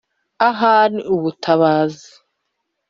ahari ubutabazi